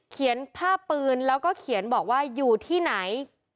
ผ้าปืนแล้วก็เขียนบอกว่าอยู่ที่ไหน